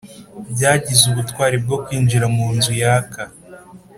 byagize ubutwari bwo kwinjira munzu yaka.